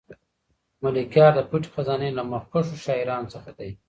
ملکیار د پټې خزانې له مخکښو شاعرانو څخه دی.